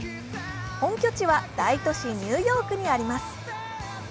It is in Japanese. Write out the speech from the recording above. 本拠地は大都市ニューヨークにあります。